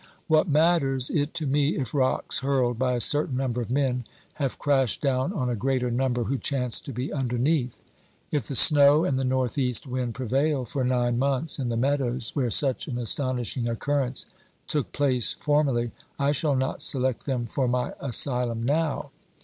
What matters it to me if rocks hurled by a certain number of men have crashed down on a greater number who chanced to be underneath ? If the snow and the north east wind prevail for nine months in the meadows where such an astonishing occurrence took place formerly, I shall not select them for my asylum now.